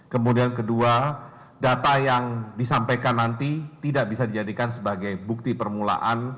kemudian kedua data yang disampaikan nanti tidak bisa dijadikan sebagai bukti permulaan